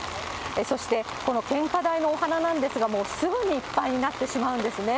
そして、この献花台のお花なんですが、もうすぐにいっぱいになってしまうんですね。